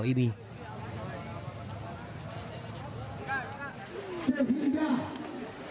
rabu siang apa ratennya